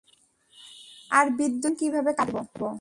আর বিদ্যুতের লাইন কীভাবে কাটবো?